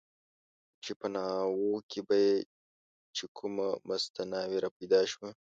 چې په ناوو کې به چې کومه مسته ناوې را پیدا شوه.